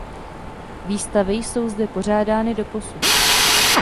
Výstavy jsou zde pořádány doposud.